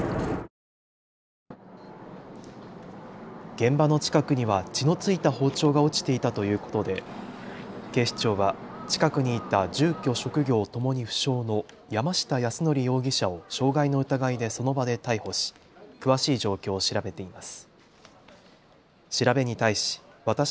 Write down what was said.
現場の近くには血の付いた包丁が落ちていたということで警視庁は近くにいた住居・職業ともに不詳の山下泰範容疑者を傷害の疑いでその場で逮捕し詳しい状況を調べています。